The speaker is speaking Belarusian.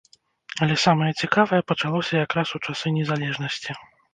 Але самае цікавае пачалося якраз у часы незалежнасці.